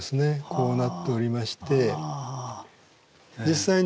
こうなっておりまして。